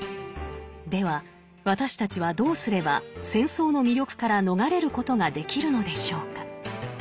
では私たちはどうすれば戦争の魅力から逃れることができるのでしょうか。